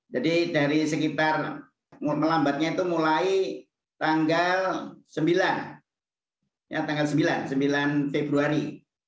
jadi dari sekitar melambatnya itu mulai tanggal sembilan februari